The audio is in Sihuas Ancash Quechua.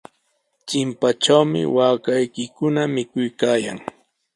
Chimpatrawmi waakaykikuna mikuykaayan.